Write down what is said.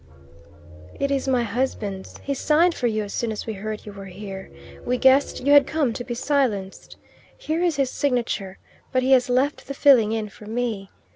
"It is my husband's. He signed for you as soon as we heard you were here. We guessed you had come to be silenced. Here is his signature. But he has left the filling in for me.